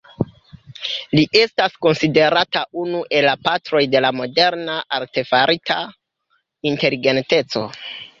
Li estas konsiderata unu el la patroj de la moderna artefarita inteligenteco.